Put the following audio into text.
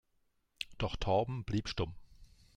Doch Torben blieb stumm.